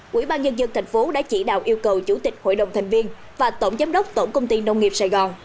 quỹ ban nhân dân thành phố đã chỉ đạo yêu cầu chủ tịch hội đồng thành viên và tổng giám đốc tổng công ty nông nghiệp sài gòn